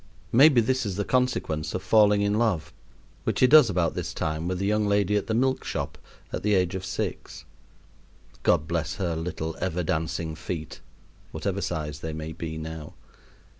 Maybe this is the consequence of falling in love, which he does about this time with the young lady at the milk shop aet. six. (God bless her little ever dancing feet, whatever size they may be now!)